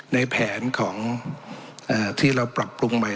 ในแผนของที่เราปรับปรุงใหม่